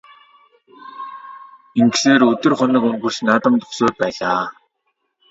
Ингэсээр өдөр хоног өнгөрч наадам дөхсөөр байлаа.